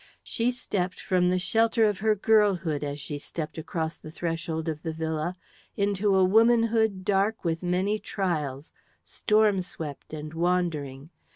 She stepped from the shelter of her girlhood, as she stepped across the threshold of the villa, into a womanhood dark with many trials, storm swept and wandering.